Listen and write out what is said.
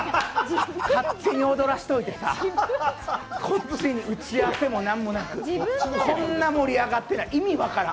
勝手に踊らせておいて、こっちに打ち合わせも何もなくこんなに盛り上がってない、意味分からん！